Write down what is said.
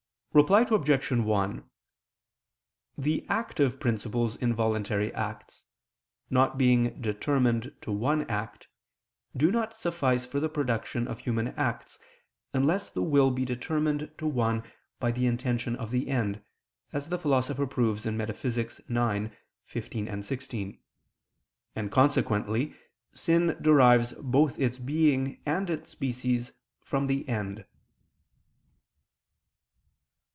Reply Obj. 1: The active principles in voluntary acts, not being determined to one act, do not suffice for the production of human acts, unless the will be determined to one by the intention of the end, as the Philosopher proves (Metaph. ix, text. 15, 16), and consequently sin derives both its being and its species from the end.